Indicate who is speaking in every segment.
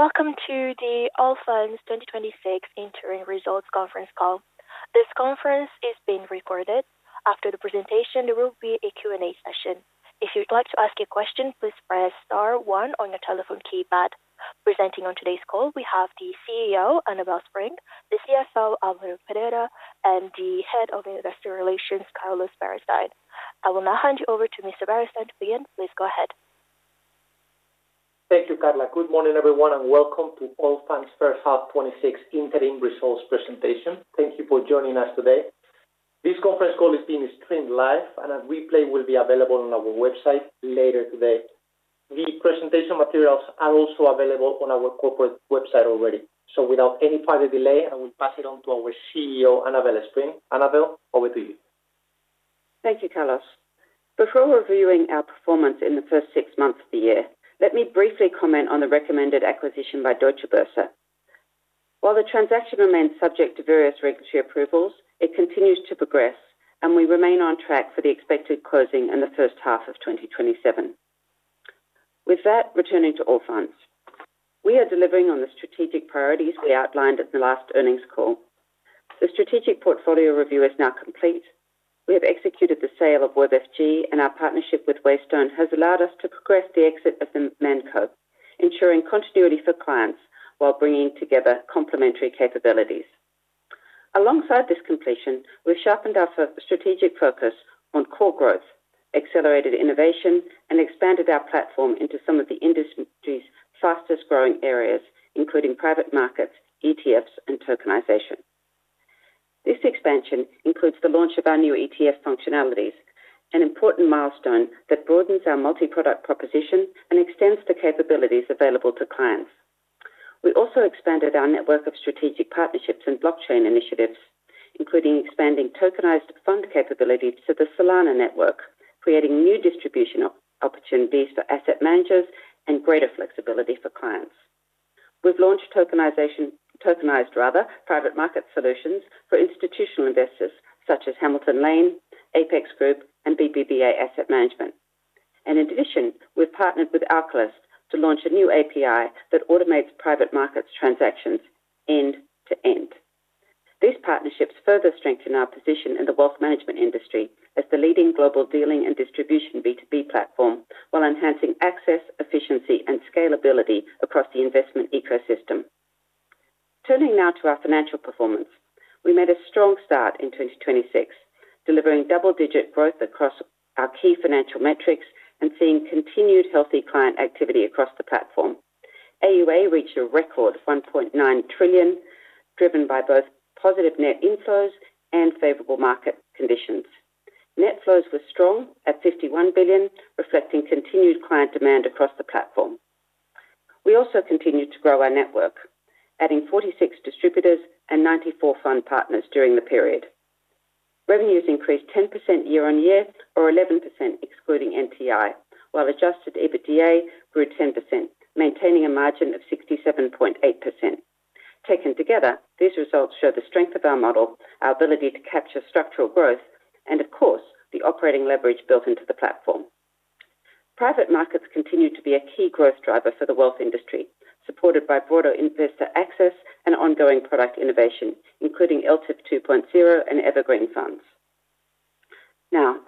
Speaker 1: Welcome to the Allfunds 2026 Interim Results Conference Call. This conference is being recorded. After the presentation, there will be a Q&A session. If you'd like to ask a question, please press star one on your telephone keypad. Presenting on today's call, we have the CEO, Annabel Spring, the CFO, Alvaro Perera, and the Head of Investor Relations, Carlos Berastain. I will now hand you over to Mr. Berastain to begin. Please go ahead.
Speaker 2: Thank you, Carla. Good morning, everyone, and welcome to Allfunds' first half 2026 interim results presentation. Thank you for joining us today. This conference call is being streamed live, and a replay will be available on our website later today. The presentation materials are also available on our corporate website already. Without any further delay, I will pass it on to our CEO, Annabel Spring. Annabel, over to you.
Speaker 3: Thank you, Carlos. Before reviewing our performance in the first six months of the year, let me briefly comment on the recommended acquisition by Deutsche Börse. While the transaction remains subject to various regulatory approvals, it continues to progress, and we remain on track for the expected closing in the first half of 2027. With that, returning to Allfunds. We are delivering on the strategic priorities we outlined at the last earnings call. The strategic portfolio review is now complete. We have executed the sale of WebFG, and our partnership with Waystone has allowed us to progress the exit of the ManCo, ensuring continuity for clients while bringing together complementary capabilities. Alongside this completion, we've sharpened our strategic focus on core growth, accelerated innovation, and expanded our platform into some of the industry's fastest-growing areas, including private markets, ETFs, and tokenization. This expansion includes the launch of our new ETF functionalities, an important milestone that broadens our multi-product proposition and extends the capabilities available to clients. We also expanded our network of strategic partnerships and blockchain initiatives, including expanding tokenized fund capabilities to the Solana network, creating new distribution opportunities for asset managers and greater flexibility for clients. We've launched tokenized private market solutions for institutional investors, such as Hamilton Lane, Apex Group, and BBVA Asset Management. In addition, we've partnered with Alchelyst to launch a new API that automates private markets transactions end to end. These partnerships further strengthen our position in the wealth management industry as the leading global dealing and distribution B2B platform while enhancing access, efficiency, and scalability across the investment ecosystem. Turning now to our financial performance. We made a strong start in 2026, delivering double-digit growth across our key financial metrics and seeing continued healthy client activity across the platform. AuA reached a record 1.9 trillion, driven by both positive net inflows and favorable market conditions. Net flows were strong at 51 billion, reflecting continued client demand across the platform. We also continued to grow our network, adding 46 distributors and 94 fund partners during the period. Revenues increased 10% year-on-year or 11% excluding NTI, while adjusted EBITDA grew 10%, maintaining a margin of 67.8%. Taken together, these results show the strength of our model, our ability to capture structural growth, and of course, the operating leverage built into the platform. Private markets continue to be a key growth driver for the wealth industry, supported by broader investor access and ongoing product innovation, including ELTIF 2.0 and Evergreen funds.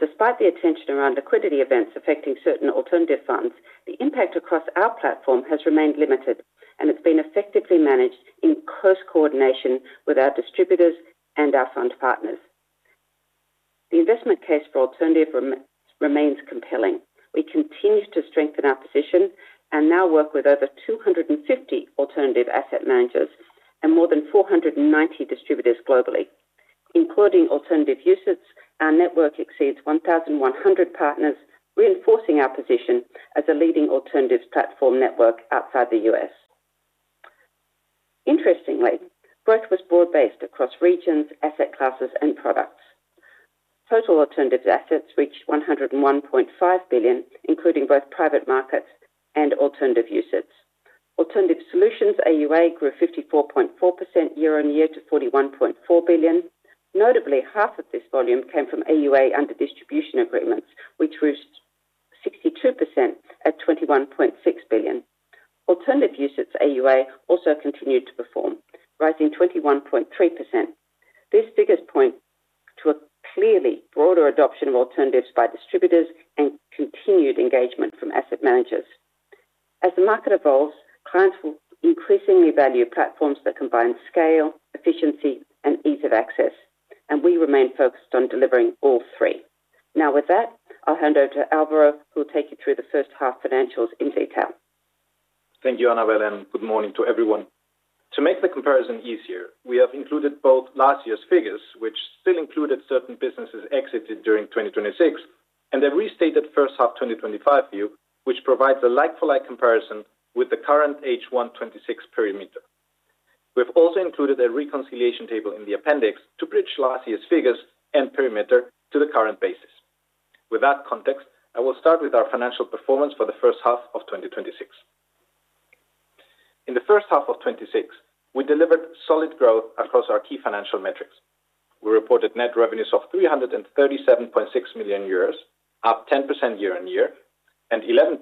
Speaker 3: Despite the attention around liquidity events affecting certain alternative funds, the impact across our platform has remained limited, and it's been effectively managed in close coordination with our distributors and our fund partners. The investment case for alternative remains compelling. We continue to strengthen our position and now work with over 250 alternative asset managers and more than 490 distributors globally. Including alternative usage, our network exceeds 1,100 partners, reinforcing our position as a leading alternatives platform network outside the U.S. Interestingly, growth was broad-based across regions, asset classes, and products. Total alternative assets reached 101.5 billion, including both private markets and alternative usage. Alternative solutions AuA grew 54.4% year-on-year to 41.4 billion. Notably, half of this volume came from AuA under distribution agreements, which reached 62% at 21.6 billion. Alternative usage AuA also continued to perform, rising 21.3%. These figures point to a clearly broader adoption of alternatives by distributors and continued engagement from asset managers. As the market evolves, clients will increasingly value platforms that combine scale, efficiency, and ease of access, and we remain focused on delivering all three. With that, I'll hand over to Alvaro, who will take you through the first half financials in detail.
Speaker 4: Thank you, Annabel, and good morning to everyone. To make the comparison easier, we have included both last year's figures, which still included certain businesses exited during 2026, and the restated first half 2025 view, which provides a like-for-like comparison with the current H1 2026 perimeter. We've also included a reconciliation table in the appendix to bridge last year's figures and perimeter to the current basis. With that context, I will start with our financial performance for the first half of 2026. In the first half of 2026, we delivered solid growth across our key financial metrics. We reported net revenues of 337.6 million euros, up 10% year-on-year and 11%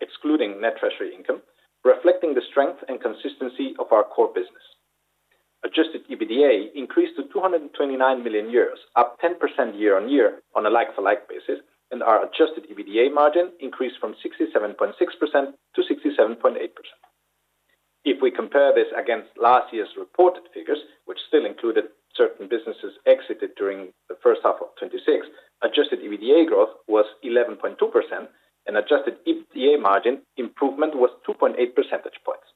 Speaker 4: excluding net treasury income, reflecting the strength and consistency of our core business. Adjusted EBITDA increased to 229 million euros, up 10% year-on-year on a like-for-like basis, and our adjusted EBITDA margin increased from 67.6%-67.8%. If we compare this against last year's reported figures, which still included certain businesses exited during the first half of 2026, adjusted EBITDA growth was 11.2%, and adjusted EBITDA margin improvement was 2.8 percentage points.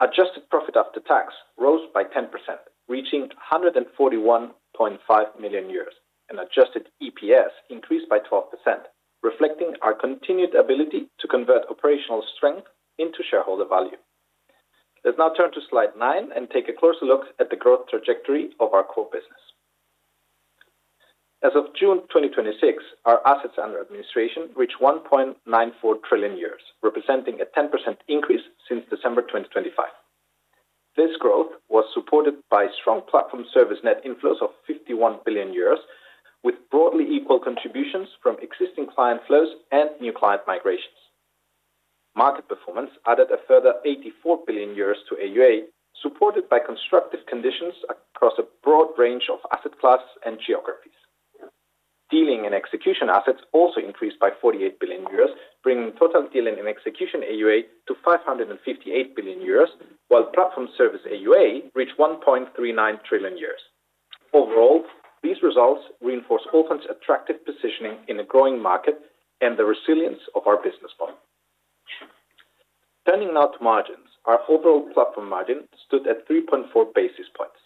Speaker 4: Adjusted profit after tax rose by 10%, reaching 141.5 million euros, and adjusted EPS increased by 12%, reflecting our continued ability to convert operational strength into shareholder value. Let's now turn to slide nine and take a closer look at the growth trajectory of our core business. As of June 2026, our assets under administration reached 1.94 trillion, representing a 10% increase since December 2025. This growth was supported by strong platform service net inflows of 51 billion euros, with broadly equal contributions from existing client flows and new client migrations. Market performance added a further 84 billion euros to AuA, supported by constructive conditions across a broad range of asset classes and geographies. Dealing and execution assets also increased by 48 billion euros, bringing total dealing and execution AuA to 558 billion euros, while platform service AuA reached 1.39 trillion euros. Overall, these results reinforce Allfunds' attractive positioning in a growing market and the resilience of our business model. Turning now to margins, our overall platform margin stood at 3.4 basis points.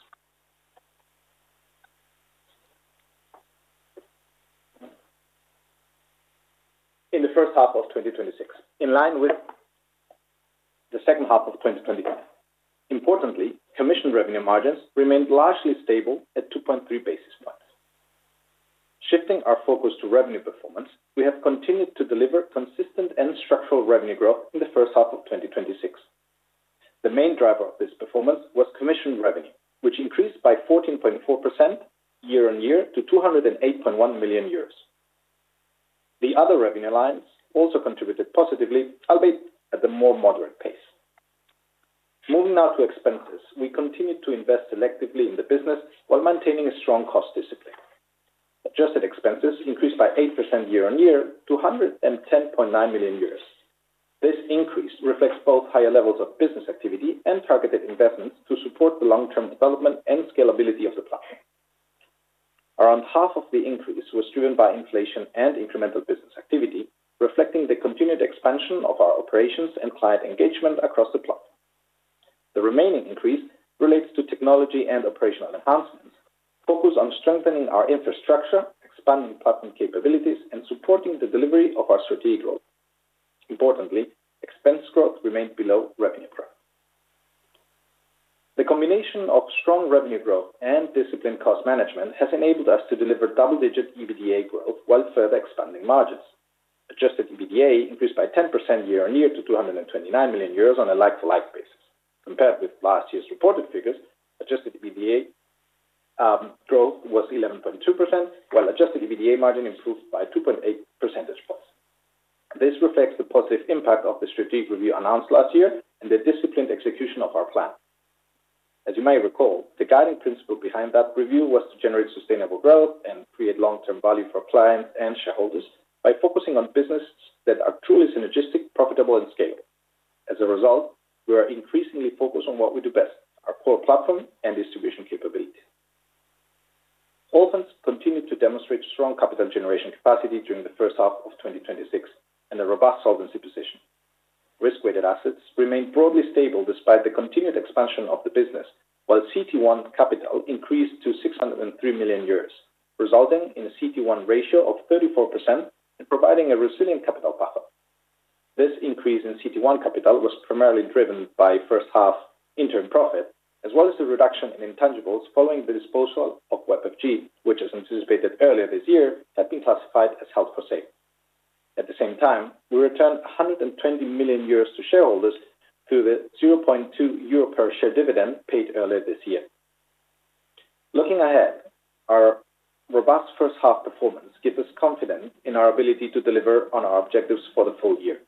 Speaker 4: In the first half of 2026, in line with the second half of 2025. Importantly, commission revenue margins remained largely stable at 2.3 basis points. Shifting our focus to revenue performance, we have continued to deliver consistent and structural revenue growth in the first half of 2026. The main driver of this performance was commission revenue, which increased by 14.4% year-on-year to 208.1 million euros. The other revenue lines also contributed positively, albeit at a more moderate pace. Moving now to expenses. We continued to invest selectively in the business while maintaining a strong cost discipline. Adjusted expenses increased by 8% year-on-year to 110.9 million. This increase reflects both higher levels of business activity and targeted investments to support the long-term development and scalability of the platform. Around half of the increase was driven by inflation and incremental business activity, reflecting the continued expansion of our operations and client engagement across the platform. The remaining increase relates to technology and operational enhancements, focused on strengthening our infrastructure, expanding platform capabilities, and supporting the delivery of our strategic growth. Importantly, expense growth remained below revenue growth. The combination of strong revenue growth and disciplined cost management has enabled us to deliver double-digit EBITDA growth while further expanding margins. Adjusted EBITDA increased by 10% year-on-year to 229 million on a like-to-like basis. Compared with last year's reported figures, adjusted EBITDA growth was 11.2%, while adjusted EBITDA margin improved by 2.8 percentage points. This reflects the positive impact of the strategic review announced last year and the disciplined execution of our plan. As you may recall, the guiding principle behind that review was to generate sustainable growth and create long-term value for clients and shareholders by focusing on businesses that are truly synergistic, profitable, and scalable. As a result, we are increasingly focused on what we do best, our core platform and distribution capability. Allfunds continued to demonstrate strong capital generation capacity during the first half of 2026 and a robust solvency position. Risk-weighted assets remained broadly stable despite the continued expansion of the business, while CET1 capital increased to 603 million, resulting in a CET1 ratio of 34% and providing a resilient capital buffer. This increase in CET1 capital was primarily driven by first half interim profit, as well as the reduction in intangibles following the disposal of WebFG, which, as anticipated earlier this year, had been classified as held for sale. At the same time, we returned 120 million euros to shareholders through the 0.2 euro per share dividend paid earlier this year. Looking ahead, our robust first half performance gives us confidence in our ability to deliver on our objectives for the full year.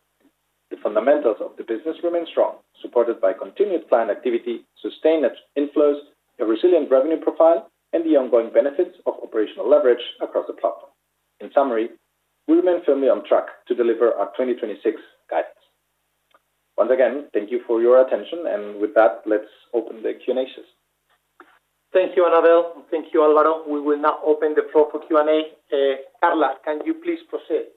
Speaker 4: The fundamentals of the business remain strong, supported by continued client activity, sustained net inflows, a resilient revenue profile, and the ongoing benefits of operational leverage across the platform. In summary, we remain firmly on track to deliver our 2026 guidance. Once again, thank you for your attention. With that, let's open the Q&A session.
Speaker 2: Thank you, Annabel. Thank you, Alvaro. We will now open the floor for Q&A. Carla, can you please proceed?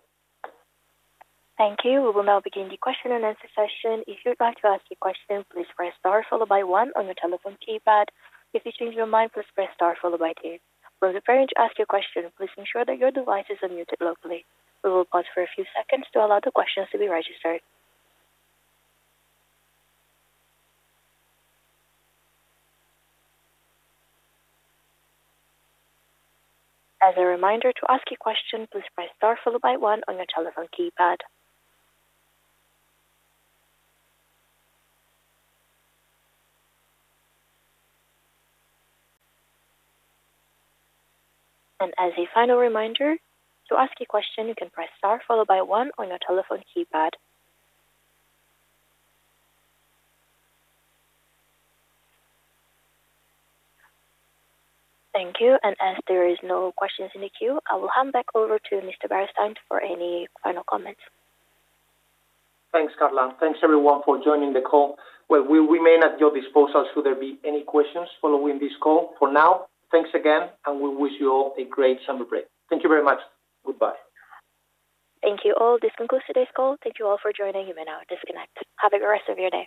Speaker 1: Thank you. We will now begin the question-and-answer session. If you'd like to ask a question, please press star followed by one on your telephone keypad. If you change your mind, please press star followed by two. When preparing to ask your question, please ensure that your device is unmuted locally. We will pause for a few seconds to allow the questions to be registered. As a reminder, to ask a question, please press star followed by one on your telephone keypad. As a final reminder, to ask a question, you can press star followed by one on your telephone keypad. Thank you. As there is no questions in the queue, I will hand back over to Mr. Berastain for any final comments.
Speaker 2: Thanks, Carla. Thanks, everyone for joining the call. Well, we remain at your disposal should there be any questions following this call. For now, thanks again, and we wish you all a great summer break. Thank you very much. Goodbye.
Speaker 1: Thank you all. This concludes today's call. Thank you all for joining. You may now disconnect. Have a good rest of your day